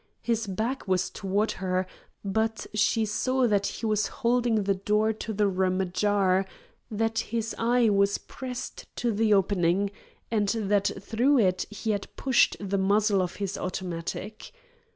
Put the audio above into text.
His back was toward her, but she saw that he was holding the door to the room ajar, that his eye was pressed to the opening, and that through it he had pushed the muzzle of his automatic.